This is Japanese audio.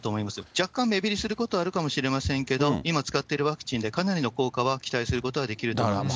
若干目減りすることはあるかもしれませんけど、今、使ってるワクチンで、かなりの効果は期待することはできると思います。